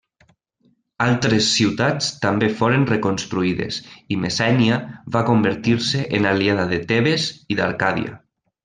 Altres ciutats també foren reconstruïdes i Messènia va convertir-se en aliada de Tebes i d'Arcàdia.